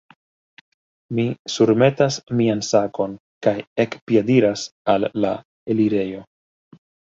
Mi surmetas mian sakon, kaj ekpiediras al la elirejo.